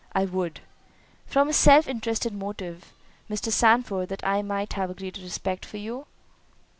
"I would." "From a self interested motive, Mr. Sandford—that I might have a greater respect for you."